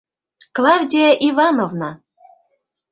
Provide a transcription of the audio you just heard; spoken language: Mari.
Клавдия Ивановна!